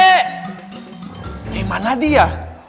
eh mana dia